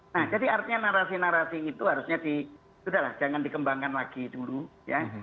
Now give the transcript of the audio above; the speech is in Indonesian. nah jadi artinya narasi narasi itu harusnya di sudah lah jangan dikembangkan lagi dulu ya